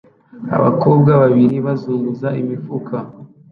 Abakobwa babiri bazunguza imifuka